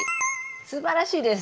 すばらしい！